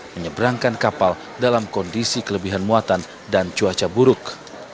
menyeberangkan kapal dalam kondisi kelebihan muatan dan cuaca buruk